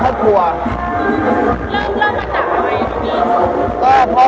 ก็เพราะว่า